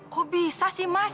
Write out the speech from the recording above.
kok bisa sih mas